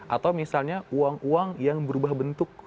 atau misalnya uang uang yang berubah bentuk